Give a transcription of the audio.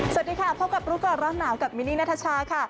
สวัสดีครับพบกับรู้ก่อราดหนาวกับมินินาธชาค่ะ